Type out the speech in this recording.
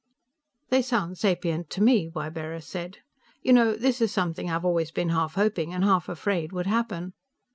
"They sound sapient to me," Ybarra said. "You know, this is something I've always been half hoping and half afraid would happen."